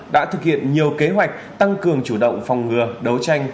đã thực hiện nhiều kế hoạch tăng cường chủ động phòng ngừa đấu tranh